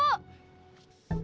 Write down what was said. nah ini udah kita berubah